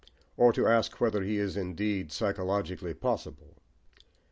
or to ask whether he is indeed psychologically possible.